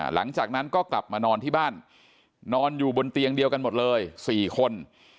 หลังจากนั้นก็กลับมานอนที่บ้านนอนอยู่บนเตียงเดียวกันหมดเลย๔คน